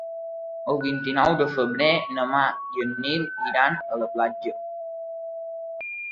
El vint-i-nou de febrer na Mar i en Nil iran a la platja.